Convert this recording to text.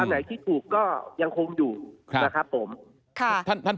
ไหนคิดถูกก็ยังคงอยู่นะครับผมค่ะท่านท่าน